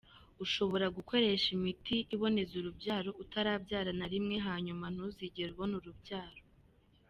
Ushobora gukoresha imiti iboneza urubyaro utarabyara na rimwe, hanyuma ntuzigere ubona urubyaro.